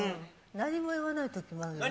何も言わないときもあるのね。